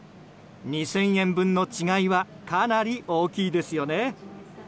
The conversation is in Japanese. ２０００円分の違いはかなり大きいですよね。